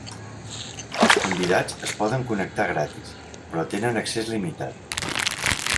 Els convidats es poden connectar gratis, però tenen accés limitat.